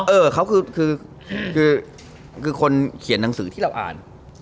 เออเขาคือคือคนเขียนหนังสือที่เราอ่าน